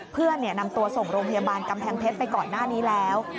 เพื่อนนำตัวส่งโรงพยาบาลกำแพงเพชรไปก่อนหน้านี้แล้ว